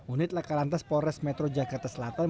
unit laka lantas polres metro jakarta selatan